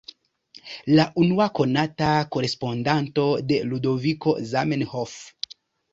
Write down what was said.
La unua konata korespondanto de Ludoviko Zamenhof.